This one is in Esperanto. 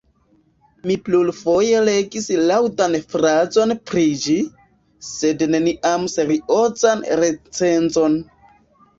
Mi plurfoje legis laŭdan frazon pri ĝi, sed neniam seriozan recenzon.